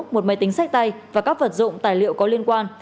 một máy tính sách tay và các vật dụng tài liệu có liên quan